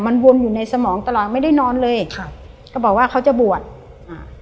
มันวนอยู่ในสมองตลอดไม่ได้นอนเลยครับก็บอกว่าเขาจะบวชอ่า